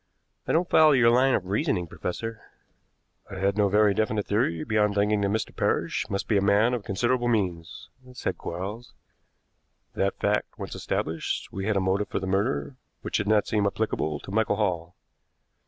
"I don't follow your line of reasoning, professor." "I had no very definite theory beyond thinking that Mr. Parrish must be a man of considerable means," said Quarles. "That fact once established, we had a motive for the murder, which did not seem applicable to Michael Hall.